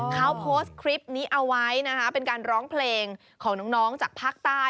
เขาโพสต์คลิปนี้เอาไว้นะคะเป็นการร้องเพลงของน้องจากภาคใต้